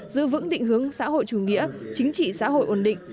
giữ vững định hướng xã hội chủ nghĩa chính trị xã hội ổn định